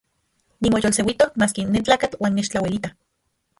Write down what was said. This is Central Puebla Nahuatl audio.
Nimoyolseuijtok maski nentlakatl uan nechtlauelita.